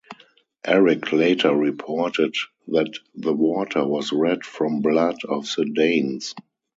Erik later reported that The Water was red from blood of the Danes.